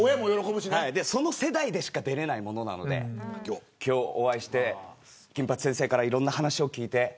その世代でしか出れないものなので今日お会いして、金八先生からいろんな話を聞いて。